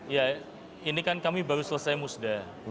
ya ini kan kami baru selesai musda